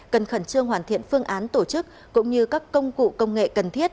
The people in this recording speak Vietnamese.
cần khẩn trương hoàn thiện phương án tổ chức cũng như các công cụ công nghệ cần thiết